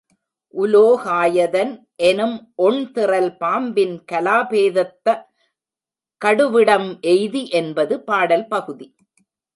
உலோகாயதன் எனும் ஒண்திறல் பாம்பின் கலா பேதத்த கடுவிடம் எய்தி என்பது பாடல் பகுதி.